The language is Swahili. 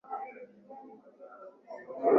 wadogo au na bibi na babu kuwa